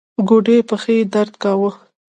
ګوډې پښې يې درد کاوه.